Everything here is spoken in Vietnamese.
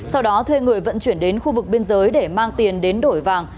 sau đó thuê người vận chuyển đến khu vực biên giới để mang tiền đến đổi vàng